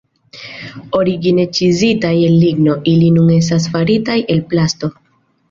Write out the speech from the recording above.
Origine ĉizitaj el ligno, ili nun estas faritaj el plasto.